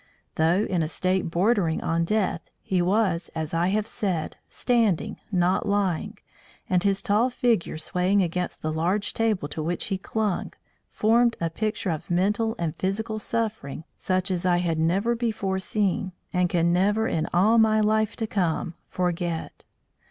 Though in a state bordering on death, he was, as I have said, standing, not lying, and his tall figure swaying against the large table to which he clung, formed a picture of mental and physical suffering such as I had never before seen, and can never in all my life to come, forget.